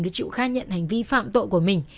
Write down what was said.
để chịu khai nhận hành vi phạm tội của mình